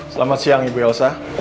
selamat siang ibu elsa